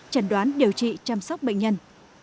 chẩn đoán điều trị chăm sóc bệnh nhân